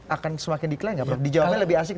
akan semakin dikeluhkan dijawabnya lebih asik